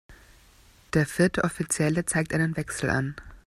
Der vierte Offizielle zeigt einen Wechsel an.